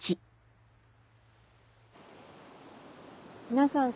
皆さん